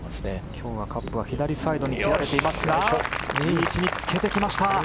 今日はカップは左サイドに切られていますがいい位置につけてきました。